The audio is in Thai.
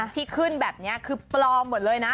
ที่ขึ้นแบบนี้คือปลอมหมดเลยนะ